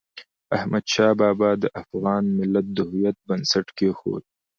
احمد شاه بابا د افغان ملت د هویت بنسټ کېښود.